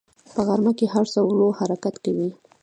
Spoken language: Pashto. په غرمه کې هر څه ورو حرکت کوي